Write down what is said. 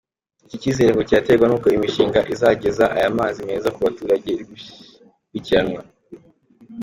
Icyi kizere ngo kiraterwa nuko imishinga izageza aya mazi meza ku baturage iri gukurikiranwa.